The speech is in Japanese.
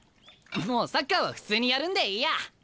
もうサッカーは普通にやるんでいいや。